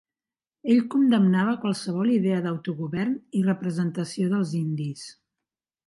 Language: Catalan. Ell condemnava qualsevol idea d'autogovern i representació dels indis.